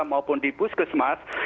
maupun di bus ke semas